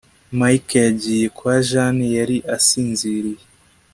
Mike yagiye kwa Jane yari asinziriye